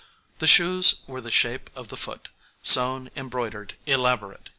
The shoes were the shape of the foot, sewn, embroidered, elaborate.